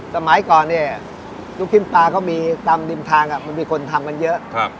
สมัยก่อนลูกครีมปลาตามดินทางมันมีคนทำกันเยอะ